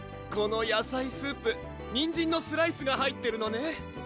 このやさいスープにんじんのスライスが入ってるのね